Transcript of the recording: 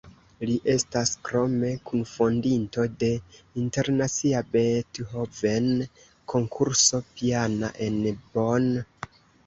Li estas krome kunfondinto de internacia Beethoven-konkurso piana en Bonn.